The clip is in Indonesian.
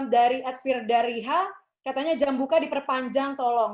dari advir dariha katanya jam buka diperpanjang tolong